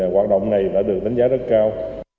hoạt động này đã được đánh giá rất cao